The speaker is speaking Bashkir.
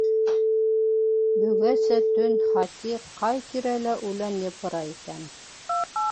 Бөгәсә төн Хати ҡай тирәлә үлән йыпыра икән?